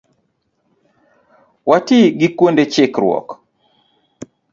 Wati gi kuonde chikruok